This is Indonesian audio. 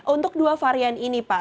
untuk dua varian ini pak